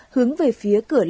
hướng về phía quốc tế